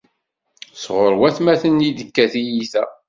Sɣur watmaten i d-tekka tyita.